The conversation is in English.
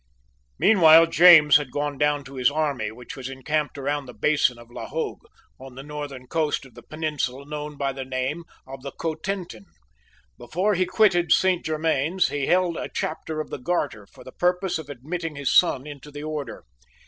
Meanwhile James had gone down to his army, which was encamped round the basin of La Hogue, on the northern coast of the peninsula known by the name of the Cotentin. Before he quitted Saint Germains, he held a Chapter of the Garter for the purpose of admitting his son into the order.